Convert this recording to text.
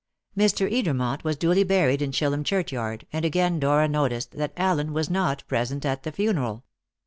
Mr. Edermont was duly buried in Chillum churchyard, and again Dora noticed that Allen was not present at the funeral.